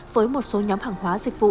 với một số nhóm hàng hóa dịch vụ